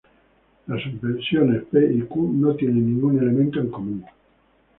Las sucesiones P y Q no tienen ningún elemento en común.